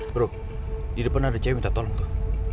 bro di depan ada cewek minta tolong tuh